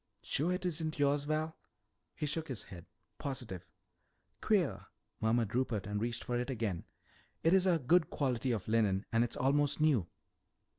"Sure it isn't yours, Val?" He shook his head. "Positive." "Queer," murmured Rupert and reached for it again. "It's a good quality of linen and it's almost new."